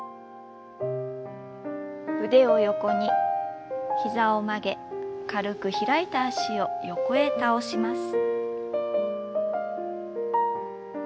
腕を横にひざを曲げ軽く開いた脚を横へ倒します。